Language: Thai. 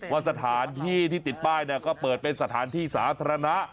ว่าสถานที่ที่ติดป้ายก็เปิดเป็นสถานที่สาธารณะ